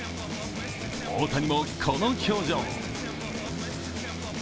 大谷もこの表情。